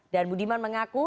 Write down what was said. dan budiman mengaku